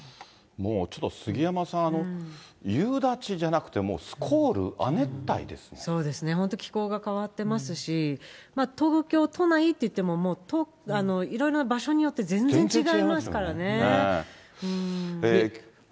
もうちょっと杉山さん、夕立じゃなくて、もうスコール、そうですね、本当気候が変わってますし、東京都内っていっても、もういろいろな場所によって全然違いますからね。